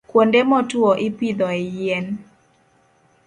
Kuonde motwo ipidhoe yien.